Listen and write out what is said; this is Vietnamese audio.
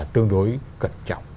tương đối cẩn trọng